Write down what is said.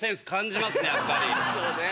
そうね。